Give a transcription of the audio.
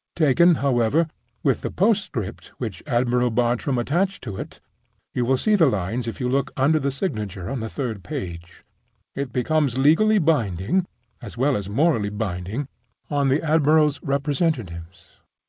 Taken, however, with the postscript which Admiral Bartram attached to it (you will see the lines if you look under the signature on the third page), it becomes legally binding, as well as morally binding, on the admiral's representatives.